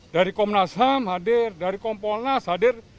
dari komnas ham hadir dari kompolnas hadir